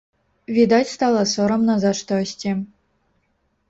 Відаць, стала сорамна за штосьці.